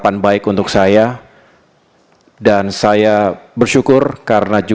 kalau misalnya kita skors dulu sholat asar dulu